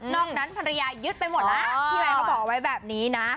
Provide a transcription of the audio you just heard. นอกนั้นภรรยายึดไปหมดนะพี่แมนก็บอกไว้แบบนี้นะ